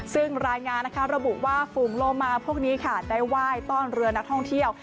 ซึ่งรายงานนะคะระบุว่าฝูงโลมาพวกนี้ค่ะได้ไหว้ต้อนเรือนักท่องเที่ยว